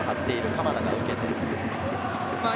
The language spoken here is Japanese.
鎌田が受けて。